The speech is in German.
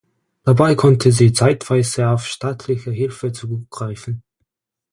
Dabei konnte sie zeitweise auf staatliche Hilfe zurückgreifen.